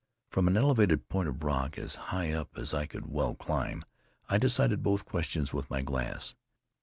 From an elevated point of rock, as high up as I could well climb, I decided both questions with my glass.